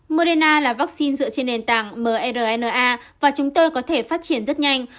moderna là vaccine dựa trên nền tảng mrna và chúng tôi có thể phát triển rất nhanh